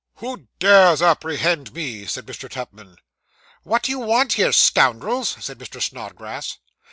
'Who dares apprehend me?' said Mr. Tupman. 'What do you want here, scoundrels?' said Mr. Snodgrass.